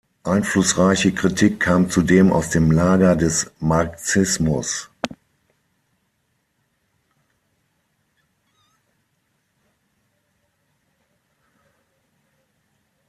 Einflussreiche Kritik kam zudem aus dem Lager des Marxismus.